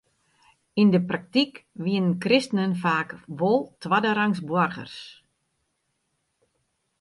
Yn de praktyk wienen kristenen faak wol twadderangs boargers.